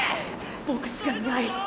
ボクしかいない。